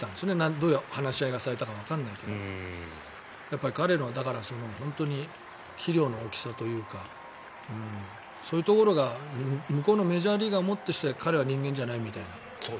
どういう話し合いがされたかわからないけれど彼の器量の大きさというかそういうところが向こうのメジャーリーガーをもってして彼は人間じゃないみたいな。